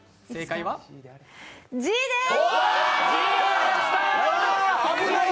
Ｇです！